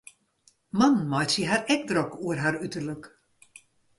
Mannen meitsje har ek drok oer har uterlik.